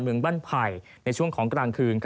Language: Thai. เมืองบ้านไผ่ในช่วงของกลางคืน